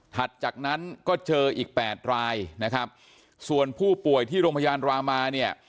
จากนั้นก็เจออีกแปดรายนะครับส่วนผู้ป่วยที่โรงพยาบาลรามาเนี่ย